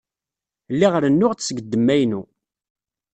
Lliɣ rennuɣ-d seg ddemma-inu.